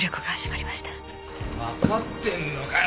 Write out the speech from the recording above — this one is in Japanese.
わかってんのかよ！